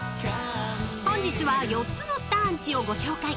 ［本日は４つのスターん家をご紹介］